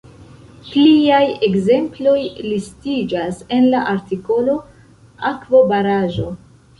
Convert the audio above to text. Pliaj ekzemploj listiĝas en la artikolo akvobaraĵo.